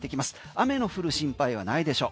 雨の降る心配はないでしょう。